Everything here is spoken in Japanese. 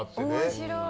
面白い。